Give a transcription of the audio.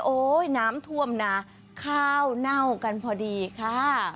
น้ำท่วมนะข้าวเน่ากันพอดีค่ะ